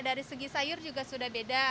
dari segi sayur juga sudah beda